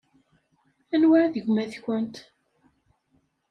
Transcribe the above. Anwa i d gma-tkent?